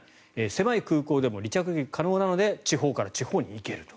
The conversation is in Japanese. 狭い空港でも離着陸可能なので地方から地方に行ける。